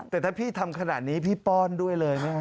แต่ถ้าพี่ทำขนาดนี้พี่ป้อนด้วยเลยนะฮะ